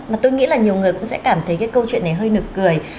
mà tôi nghĩ là nhiều người cũng sẽ cảm thấy cái câu chuyện này hơi nực cười